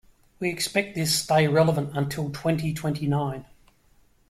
We expect this stay relevant until twenty-twenty-nine.